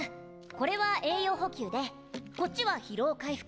これは栄養補給でこっちは疲労回復。